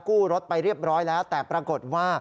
รถไปเรียบร้อยแล้วแต่ปรากฏว่า